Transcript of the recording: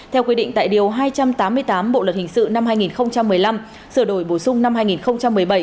theo quy định tại điều hai trăm tám mươi tám bộ luật hình sự năm hai nghìn một mươi năm sửa đổi bổ sung năm hai nghìn một mươi bảy